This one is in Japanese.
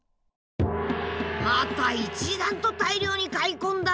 また一段と大量に買い込んだね。